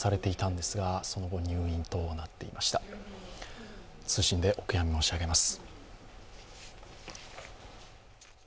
謹んでお悔やみ申し上げます。